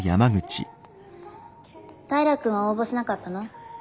平君は応募しなかったの？